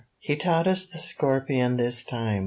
"He taught us the Scorpion this time.